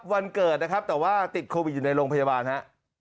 วันเกิดนะครับแต่ว่าติดโควิดอยู่ในโรงพยาบาลฮะ